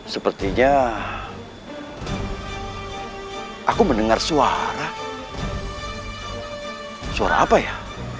sepertinya aku mendengar suara suara apa ya